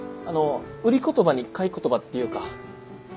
売り言葉に買い言葉っていうか。